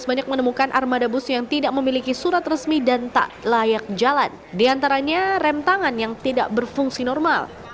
banyak menemukan armada bus yang tidak memiliki surat resmi dan tak layak jalan diantaranya rem tangan yang tidak berfungsi normal